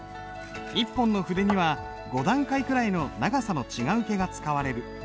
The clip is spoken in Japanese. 一本の筆には５段階くらいの長さの違う毛が使われる。